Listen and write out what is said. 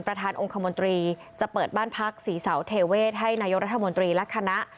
ประธานองค์คมนตรีจะเปิดบ้านพักศรีเสาเทเวศให้นายกรัฐมนตรีและคณะ